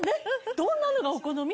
どんなのがお好み？